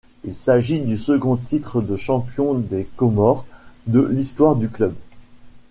Il s’agit du second titre de champion des Comores de l’histoire du club.